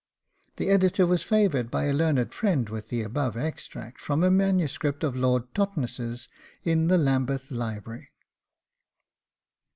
The Editor was favoured by a learned friend with the above extract, from a MS. of Lord Totness's in the Lambeth library.